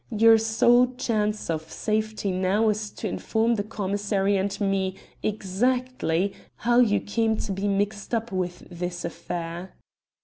Your sole chance of safety now is to inform the commissary and me exactly how you came to be mixed up with this affair."